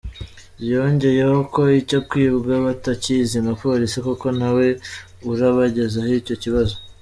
Yongeyeho ko icyo kwibwa batakizi nka Polisi kuko ntawe urabagezaho icyo kibazo.